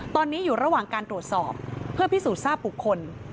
ตอนนี้อยู่ระหว่างการตรวจสอบเพื่อพิสูจน์ทราบบุคคล